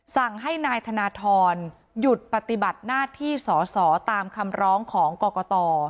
สั่งให้นายธนทรหยุดปฏิบัติหน้าที่สอสอตามคำร้องของกรกต